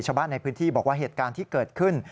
ชาวบ้านในพื้นที่บอกว่าเหตุการณ์ที่เกิดขึ้น